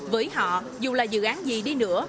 với họ dù là dự án gì đi nữa